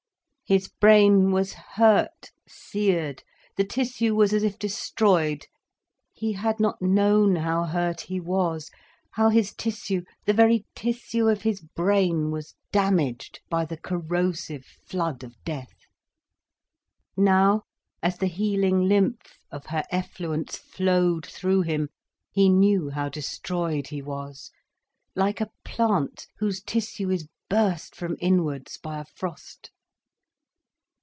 His brain was hurt, seared, the tissue was as if destroyed. He had not known how hurt he was, how his tissue, the very tissue of his brain was damaged by the corrosive flood of death. Now, as the healing lymph of her effluence flowed through him, he knew how destroyed he was, like a plant whose tissue is burst from inwards by a frost.